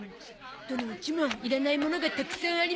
どのうちもいらないものがたくさんありますな。